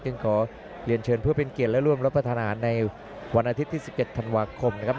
ขอเรียนเชิญเพื่อเป็นเกียรติและร่วมรับประทานอาหารในวันอาทิตย์ที่๑๗ธันวาคมนะครับ